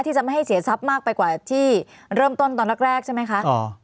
ที่จะไม่ให้เสียทรัพย์มากไปกว่าที่เริ่มต้นตอนแรกใช่ไหมคะ